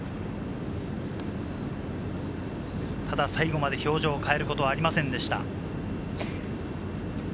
ただ最後まで表情を変えることはありませんでした。